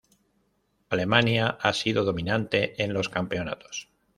Alemania ha sido dominante en los campeonatos.